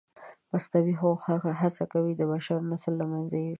مصنوعي هوښ هڅه کوي د بشر نسل له منځه یوسي.